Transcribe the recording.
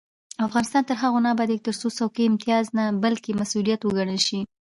افغانستان تر هغو نه ابادیږي، ترڅو څوکۍ امتیاز نه بلکې مسؤلیت وګڼل شي.